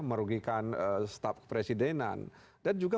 merugikan staf presidenan dan juga